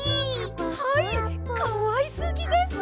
はいかわいすぎです！